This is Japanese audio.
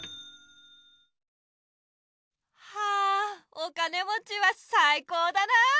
はぁお金もちはさいこうだな！